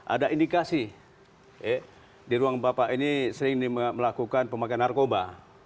ada indikasi di ruang bapak ini sering melakukan pemakaian narkoba